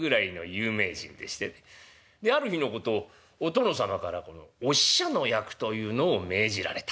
あの日のことお殿様からこのお使者の役というのを命じられた。